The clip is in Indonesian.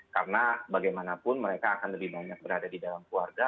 karena bagaimanapun mereka akan lebih banyak berada di dalam keluarga